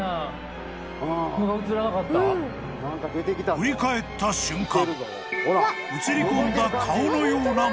［振り返った瞬間］